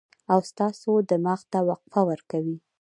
او ستاسو دماغ ته وقفه ورکوي